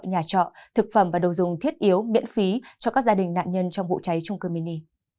nhà trọ thực phẩm và đồ dùng thiết yếu miễn phí cho các gia đình nạn nhân trong vụ cháy trung cư mini